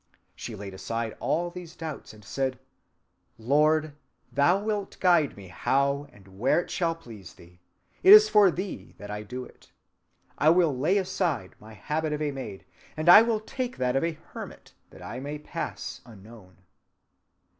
She laid aside all these doubts and said, 'Lord, thou wilt guide me how and where it shall please thee. It is for thee that I do it. I will lay aside my habit of a maid, and will take that of a hermit that I may pass unknown.